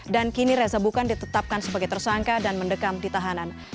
dan kini reza bukan ditetapkan sebagai tersangka dan mendekam ditahanan